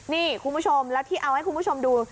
นี่คุณผู้ชมแล้วที่เอาให้คุณผู้ชมดู